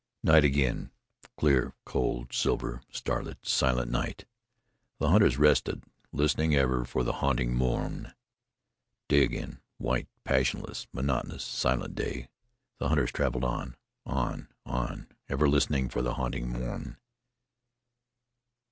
Night again, clear, cold, silver, starlit, silent night! The hunters rested, listening ever for the haunting mourn. Day again, white, passionless, monotonous, silent day. The hunters traveled on on on, ever listening for the haunting mourn.